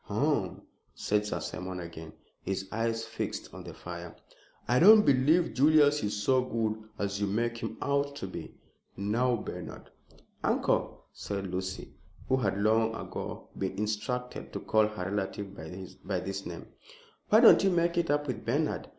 "Hum," said Sir Simon again, his eyes fixed on the fire. "I don't believe Julius is so good as you make him out to be. Now Bernard " "Uncle," said Lucy, who had long ago been instructed to call her relative by this name, "why don't you make it up with Bernard?